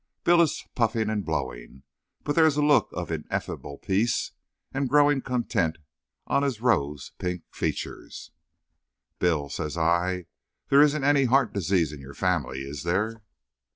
Bill is puffing and blowing, but there is a look of ineffable peace and growing content on his rose pink features. "Bill," says I, "there isn't any heart disease in your family, is there?